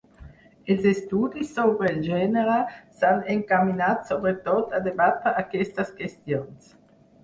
Els estudis sobre el gènere s'han encaminat sobretot a debatre aquestes qüestions.